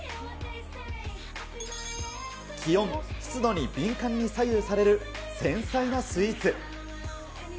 気温、湿度に敏感に左右される繊細なスイーツ。